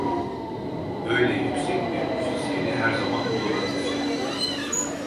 Böyle yüksek bir müzisyeni her zaman bulamayız!